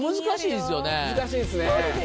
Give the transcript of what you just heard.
難しいですね。